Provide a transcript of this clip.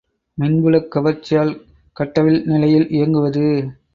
மின்புலக் கவர்ச்சியால் கட்டவிழ் நிலையில் இயங்குவது.